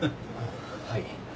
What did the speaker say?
はい。